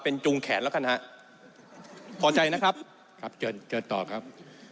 เป็นจุงแขนแล้วกันฮะพอใจนะครับครับเชิญเชิญต่อครับ